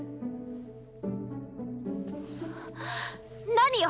何よ！